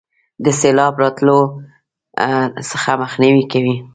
د سیلاب راتللو څخه مخنیوي کوي.